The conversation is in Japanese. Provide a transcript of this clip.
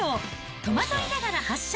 戸惑いながら発射！